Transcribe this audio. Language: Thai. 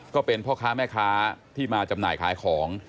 ก็เป็นพ่อค้าแม่ค้าที่มาจำหน่ายขายของ